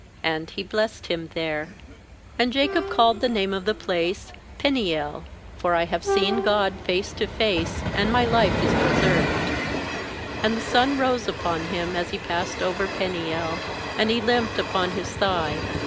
And he blessed him there. 31And Jacob called the name of the place bPeniel: 'for I have seen God face to face, and my life is preserved/ 32And the b That is, The face of God. GENESIS 344 sun rose upon him as he passed over aPeniel, and he limped upon his thigh.